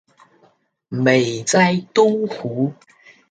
美哉东湖！